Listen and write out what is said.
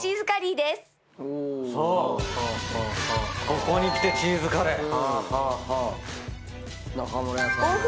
ここにきてチーズカレー！